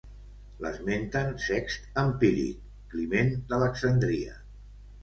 L'esmenten Sext Empíric, Climent d'Alexandria.